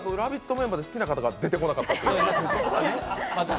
メンバーで好きな方が出てこなかったということ。